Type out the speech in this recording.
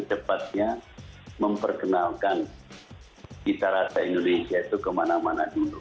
bagaimana kita memperkenalkan kitarata indonesia itu kemana mana dulu